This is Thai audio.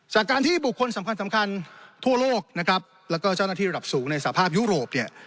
จากการที่บุคคลสำคัญสำคัญทั่วโลกนะครับแล้วก็เจ้าหน้าที่ระดับสูงในสภาพยุโรปเนี่ย